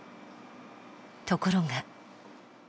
ところが。